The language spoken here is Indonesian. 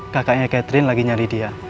kakaknya catherine lagi nyari dia